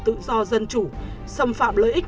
tự do dân chủ xâm phạm lợi ích